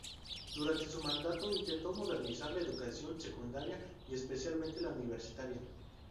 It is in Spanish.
Durante su mandato intentó modernizar la educación secundaria, y especialmente la universitaria.